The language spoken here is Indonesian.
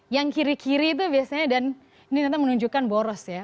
yang kiri kiri itu biasanya dan ini nanti menunjukkan boros ya